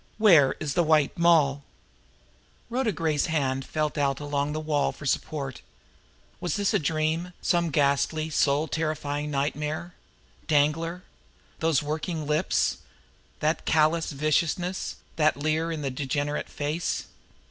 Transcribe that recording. Where is the White Moll?" Rhoda Gray's hand felt Out along the wall for support. Was this a dream, some ghastly, soul terrifying nightmare! Danglar! Those working lips! That callous viciousness, that leer in the degenerate face.